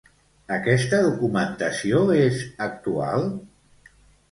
Aquesta documentació és actual?